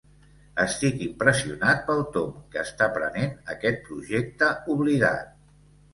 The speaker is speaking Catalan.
Estic impressionat pel tomb que està prenent aquest projecte oblidat.